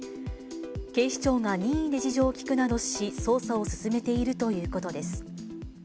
警視庁が任意で事情を聴くなどし捜査を進めているということです。